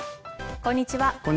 こんにちは。